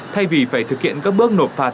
thay vì phải thực hiện các bước nộp phạt